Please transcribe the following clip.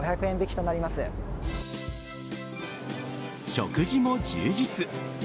食事も充実。